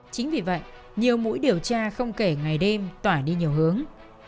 chính vì vậy nhiều mũi điều tra không kể ngày đêm tỏa đi nhiều hướng